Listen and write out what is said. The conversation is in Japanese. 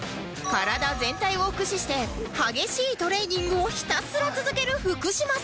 体全体を駆使して激しいトレーニングをひたすら続ける福島さん